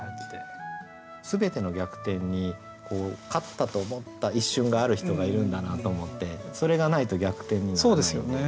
全ての逆転に勝ったと思った一瞬がある人がいるんだなと思ってそれがないと逆転にはならないので。